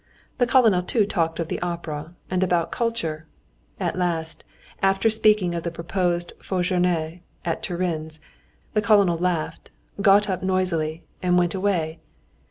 The colonel too talked of the opera, and about culture. At last, after speaking of the proposed folle journée at Turin's, the colonel laughed, got up noisily, and went away.